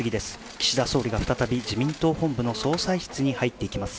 岸田総理が再び自民党本部の総裁室に入ってきます。